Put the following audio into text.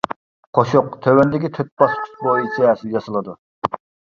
قوشۇق تۆۋەندىكى تۆت باسقۇچ بويىچە ياسىلىدۇ.